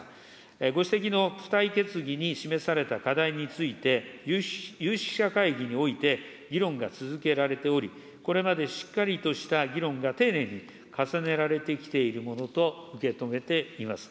ご指摘の付帯決議に示された課題について、有識者会議において議論が続けられており、これまでしっかりとした議論が丁寧に重ねられてきているものと受け止めています。